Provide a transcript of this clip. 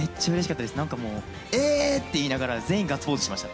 なんかもう、えーって言いながら、全員ガッツポーズしました。